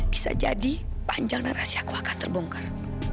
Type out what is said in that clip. bisa jadi panjang narasi aku akan terbongkar